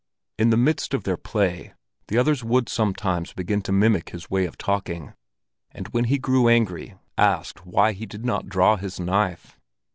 In the midst of their play, the others would sometimes begin to mimic his way of talking, and when he grew angry asked why he did not draw his knife.